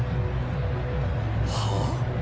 はあ？